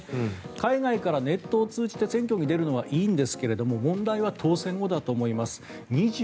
海外からネットを通じて選挙に出るのはいいんですけれども問題は当選後だと思います。